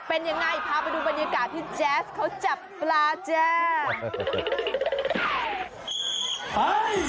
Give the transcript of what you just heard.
เป็นยังไงพาไปดูบรรยากาศที่แจ๊สเขาจับปลาแจ้